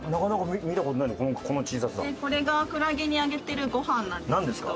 これがクラゲにあげてるご飯なんですけど。